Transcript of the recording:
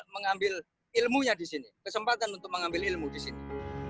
mengambil ilmunya di sini kesempatan untuk mengambil ilmu di sini